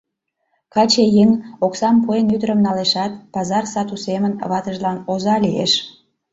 Каче еҥ оксам пуэн ӱдырым налешат, пазар сату семын ватыжлан оза лиеш.